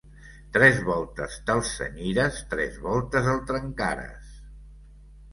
Tres voltes te'l cenyires, tres voltes el trencares.